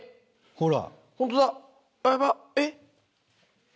ほら。